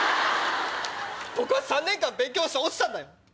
僕は３年間勉強して落ちたんだよ！